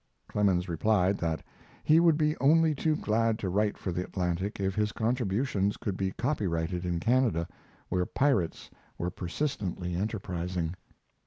Clemens replied that he would be only too glad to write for the Atlantic if his contributions could be copyrighted in Canada, where pirates were persistently enterprising.